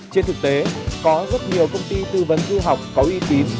trên thực tế có rất nhiều công ty tư vấn du học có uy tín